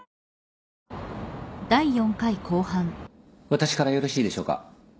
私からよろしいでしょうか。